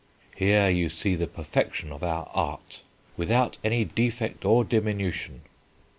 Here you see the perfection of our Art, without any defect or diminution."